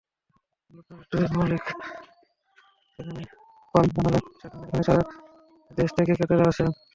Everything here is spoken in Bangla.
লোকনাথ স্টোরের মালিক খোকন পাল জানালেন, এখানে সারা দেশ থেকে ক্রেতারা আসেন।